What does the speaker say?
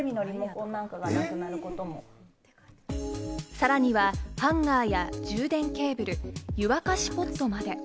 さらにはハンガーや充電ケーブル、湯沸しポットまで。